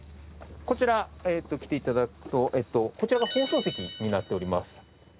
こちら来て頂くとこちらが放送席になっております。